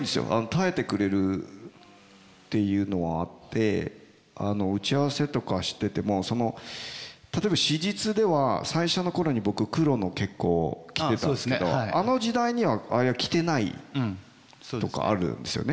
耐えてくれるっていうのはあって打ち合わせとかしてても例えば史実では最初の頃に僕黒の結構着てたんですけどあの時代にはあれは着てないとかあるんですよね。